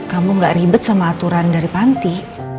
kamu gak ribet sama aturan dari panti